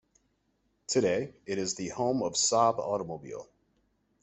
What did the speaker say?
Today, it is the home of Saab Automobile.